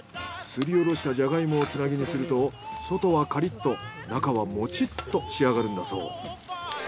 すりおろしたジャガイモをつなぎにすると外はカリッと中はモチッと仕上がるんだそう。